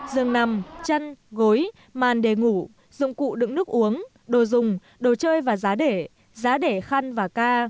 giường nằm chăn gối màn để ngủ dụng cụ đựng nước uống đồ dùng đồ chơi và giá để giá để khăn và ca